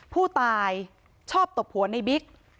ผู้ตายชอบตบหัวในบิ๊ก